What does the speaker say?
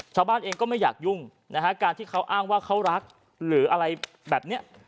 ชาวบ้านเองก็ไม่อยากยุ่งนะฮะการที่เขาอ้างว่าเขารักหรืออะไรแบบเนี้ย